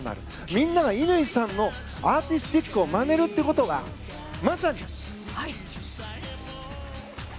みんなは乾さんのアーティスティックをまねるということがまさに。